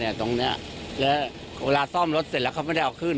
ตรงเนี้ยแล้วเวลาซ่อมรถเสร็จแล้วเขาไม่ได้เอาขึ้น